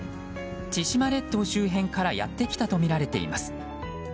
千島列島周辺からやってきたとみられています。